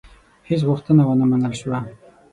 هیڅ غوښتنه ونه منل شوه.